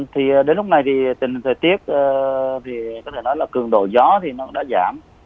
thì đến lúc này thì tình hình thời tiết thì có thể nói là cường độ gió thì nó đã giảm